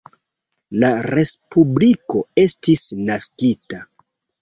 La respubliko estis naskita.